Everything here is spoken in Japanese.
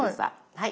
はい。